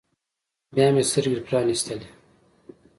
بيا مې سترګې پرانيستلې.